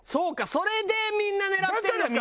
それでみんな狙ってるのか。